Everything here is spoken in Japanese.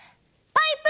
パイプ！